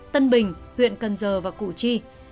tân bình huyện cần giờ và cụ chi